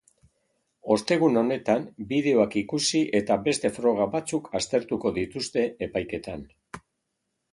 Ostegun honetan bideoak ikusi eta beste froga batzuk aztertuko dituzte epaiketan.